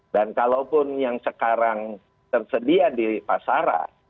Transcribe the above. kalaupun yang sekarang tersedia di pasaran